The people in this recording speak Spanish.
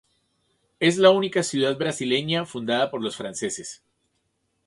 Es la única ciudad brasileña fundada por los franceses.